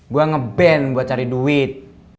gue ngeband buat cari duit